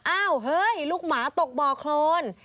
อ้าวเฮ้ยลูกหมาตกบ่อโครน